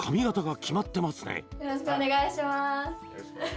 よろしくお願いします。